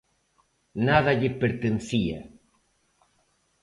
Nada lle pertencía.